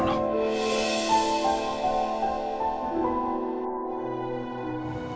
kasih gue waktu